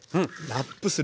ラップする。